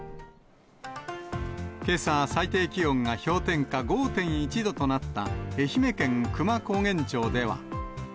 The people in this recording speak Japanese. けさ、最低気温が氷点下５．１度となった愛媛県久万高原町では。